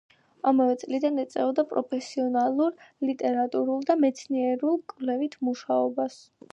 ამავე წლიდან ეწეოდა პროფესიონალურ ლიტერატურულ და მეცნიერულ კვლევით მუშაობას.